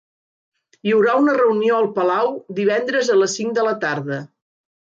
Hi haurà una reunió al Palau divendres a les cinc de la tarda